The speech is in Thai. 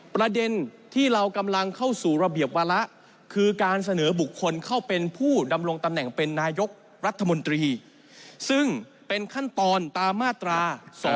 ประเด็นที่เรากำลังเข้าสู่ระเบียบวาระคือการเสนอบุคคลเข้าเป็นผู้ดำรงตำแหน่งเป็นนายกรัฐมนตรีซึ่งเป็นขั้นตอนตามมาตรา๒๕๖